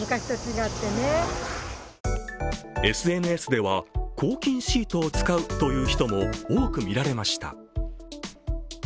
ＳＮＳでは抗菌シートを使うという人も多く見られました。